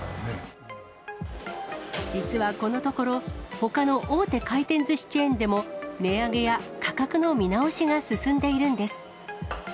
実はこのところ、ほかの大手回転ずしチェーンでも値上げや価格の見直しが進んでいるんです。